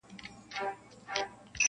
ښه دی ښه دی قاسم یار چي دېوانه دی-